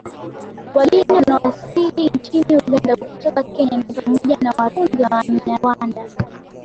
Wageni wanaowasili nchini Uganda kutoka Kenya ni pamoja na Warundi na Wanyarwanda